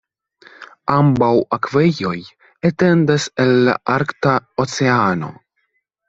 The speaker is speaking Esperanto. Ambaŭ akvejoj etendas el la Arkta Oceano.